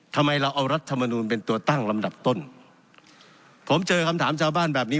ทำไมเราเอารัฐมนูลเป็นตัวตั้งลำดับต้นผมเจอคำถามชาวบ้านแบบนี้